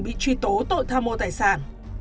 bị truy tố tội tham mô tài sản